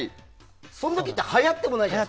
その時ってはやってもいない。